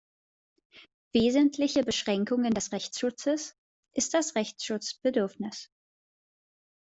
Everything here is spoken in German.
Wesentliche Beschränkung des Rechtsschutzes ist das Rechtsschutzbedürfnis.